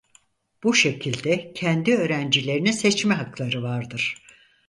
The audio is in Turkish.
Bu şekilde kendi öğrencilerini seçme hakları vardır.